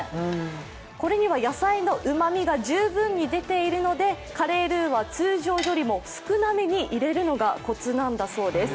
これには野菜のうまみが十分に出ているので、カレールーは通常よりも少なめに入れるのがこつだそうです。